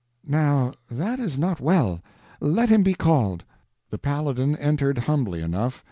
"Now that is not well. Let him be called." The Paladin entered humbly enough.